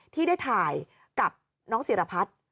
ที่ได้ถ่ายกับน้องศิรพัฒน์